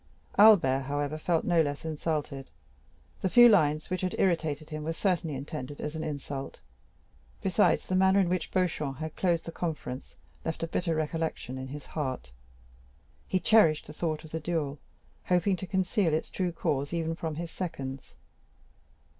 Albert, however, felt no less insulted; the few lines which had irritated him were certainly intended as an insult. Besides, the manner in which Beauchamp had closed the conference left a bitter recollection in his heart. He cherished the thought of the duel, hoping to conceal its true cause even from his seconds.